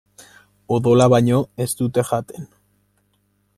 Odola baino ez dute jaten.